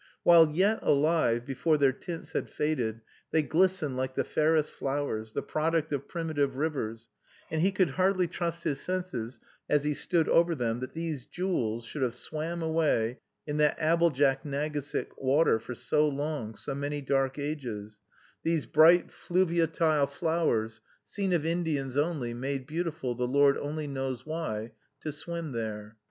While yet alive, before their tints had faded, they glistened like the fairest flowers, the product of primitive rivers; and he could hardly trust his senses, as he stood over them, that these jewels should have swam away in that Aboljacknagesic water for so long, so many dark ages; these bright fluviatile flowers, seen of Indians only, made beautiful, the Lord only knows why, to swim there!